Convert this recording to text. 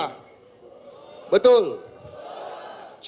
kita harus berpikir dan berpikir